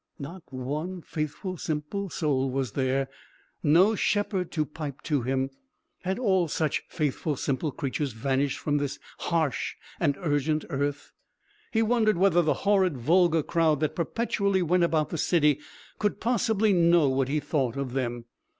Not one faithful simple soul was there no shepherd to pipe to him! Had all such faithful simple creatures vanished from this harsh and urgent earth? He wondered whether the horrid vulgar crowd that perpetually went about the city could possibly know what he thought of them.